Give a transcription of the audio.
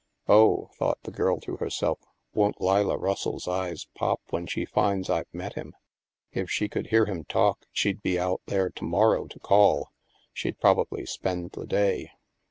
"(" Oh," thought the girl to herself, "won't Leila Russell's eyes pop when she finds I've met him? If she could hear him talk, she'd be out there to morrow to call. She'd probably spend the day.")